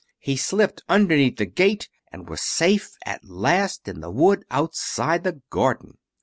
He slipped underneath the gate, and was safe at last in the wood outside the garden.